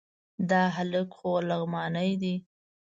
دا هلک خو لغمانی دی...